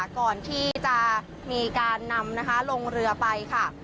ก่อนที่จะมีการนำนะคะลงเรือไปค่ะ